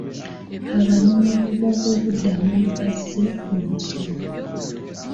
Abanoonyiboobubudamu bazze mu musomo.